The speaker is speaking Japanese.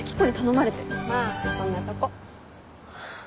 まぁそんなとこ。